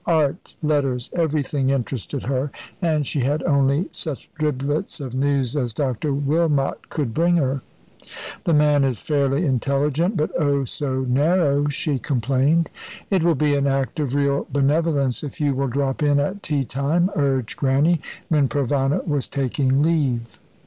Art, letters, everything interested her; and she had only such driblets of news as Dr. Wilmot could bring her. "The man is fairly intelligent, but oh, so narrow," she complained. "It will be an act of real benevolence if you will drop in at tea time," urged Grannie, when Provana was taking leave.